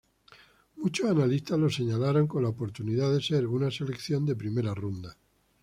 Muchos analistas lo señalaron con la oportunidad de ser una selección de primera ronda.